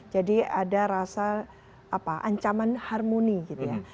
jadi ada rasa apa ancaman harmoni gitu ya